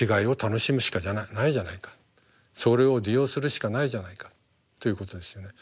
「それを利用するしかないじゃないか」ということですよね。